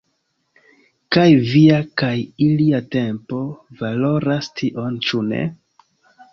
Kaj via kaj ilia tempo valoras tion, ĉu ne?